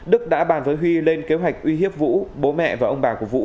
đức đã bàn với huy lên kế hoạch uy hiếp vũ bố mẹ và ông bà của vũ